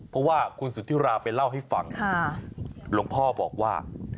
เพราะว่าคุณสุธิราไปเล่าให้ฟังหลวงพ่อบอกว่า